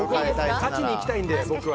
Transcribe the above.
勝ちに行きたいんで、僕は。